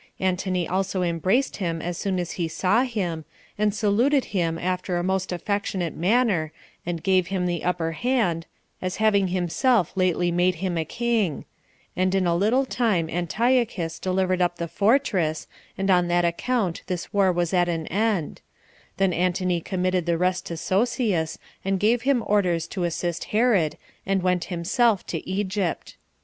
Antony also embraced him as soon as he saw him, and saluted him after a most affectionate manner, and gave him the upper hand, as having himself lately made him a king; and in a little time Antiochus delivered up the fortress, and on that account this war was at an end; then Antony committed the rest to Sosius, and gave him orders to assist Herod, and went himself to Egypt.